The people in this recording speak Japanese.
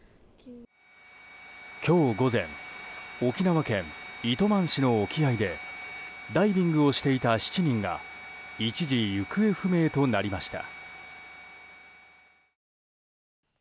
今日午前沖縄県糸満市の沖合でダイビングをしていた７人が一時、行方不明となりました。